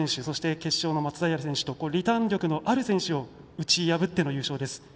そして、決勝の松平選手とリターン力のある選手を打ち破っての優勝です。